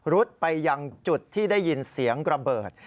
ดไปยังจุดที่ได้ยินเสียงระเบิด